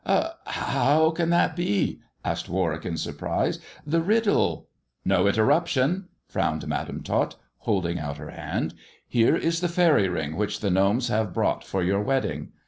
" How can that heV asked Warwick in surprise. "The riddle "" No interruption !*' frowned Madam Tot, holding out her hand. " Here is the faery ring which the gnomes have brought for your wedding.